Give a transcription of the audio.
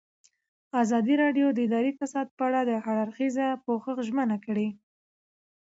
ازادي راډیو د اداري فساد په اړه د هر اړخیز پوښښ ژمنه کړې.